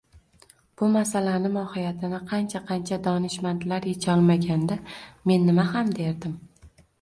Bu masalani mohiyatini qancha-qancha donishmandlar echolmaganda, men nima ham derdim